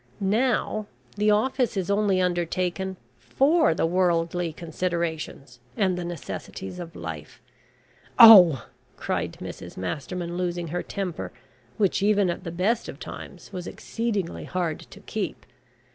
Now, the office is only undertaken for the worldly considerations, and the necessities of life " "Oh," cried Mrs Masterman, losing her temper, which even at the best of times was exceedingly hard to keep.